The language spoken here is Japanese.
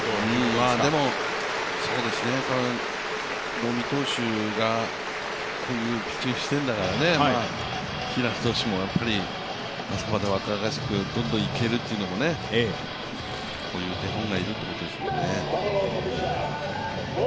能見投手がこういうピッチングしてるんだから、平野投手も、あそこまで若々しくどんどんいけるというのも、こういう手本がいるってことですもんね。